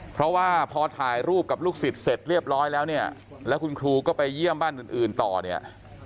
เพราะว่าพอถ่ายรูปกับลูกศิษย์เสร็จเรียบร้อยแล้วเนี่ยแล้วคุณครูก็ไปเยี่ยมบ้านอื่นต่อเนี่ย